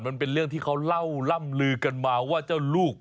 มันเป็นเรื่องที่เขาเล่าล่ำลือกันมาว่าเจ้าลูก